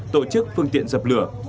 tổ chức phương tiện dập lửa